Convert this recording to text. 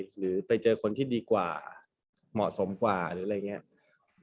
หรือไปเจอคนที่ดีกว่าเหมาะสมกว่าหรืออะไรอย่างนี้